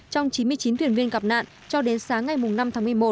trong chín mươi chín thuyền viên gặp nạn cho đến sáng ngày năm tháng một mươi một